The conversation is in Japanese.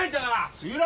杉浦！